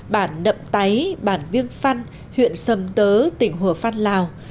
bản nậm táy bản viêng phăn huyện sầm tớ tỉnh hồ phát lào